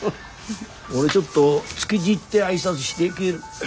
俺ちょっと築地行って挨拶して帰る。